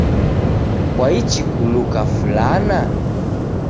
Kwaichi kuluka fulana?